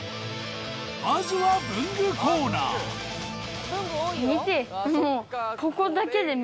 まずは文具コーナー見てもう。